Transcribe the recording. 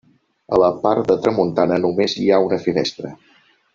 A la part de tramuntana només hi ha una finestra.